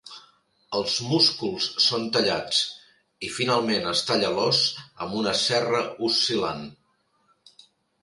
Els músculs són tallats, i finalment es talla l'os amb una serra oscil·lant.